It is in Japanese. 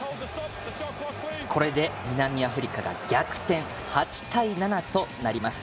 これで南アフリカが逆転８対７となります。